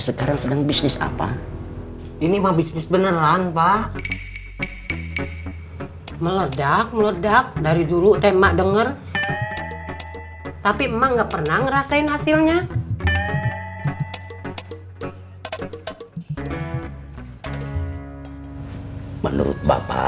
sekarang kamu pendiam ya cek